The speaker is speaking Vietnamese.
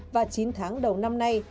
và chín tháng đầu năm nay